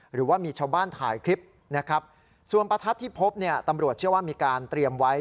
หรือว่ามีชาวบ้านถ่ายคลิปนะครับส่วนประทัดที่พบเนี่ยตำรวจเชื่อว่ามีการเตรียมไว้